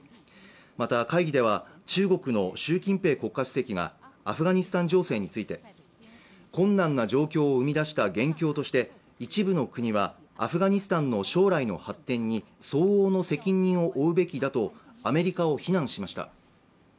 また会議では、中国の習近平国家主席がアフガニスタン情勢について、困難な状況を生み出した元凶として、一部の国はアフガニスタンの将来の発展に相応の責任を負うべきだとアメリカを非難しました。